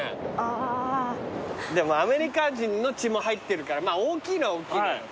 でもアメリカ人の血も入ってるからまぁ大きいのは大きいのよ。